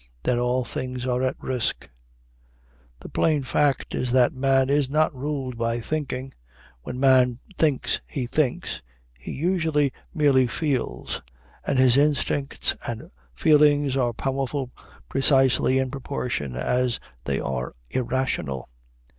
Then all things are at risk." The plain fact is that man is not ruled by thinking. When man thinks he thinks, he usually merely feels; and his instincts and feelings are powerful precisely in proportion as they are irrational.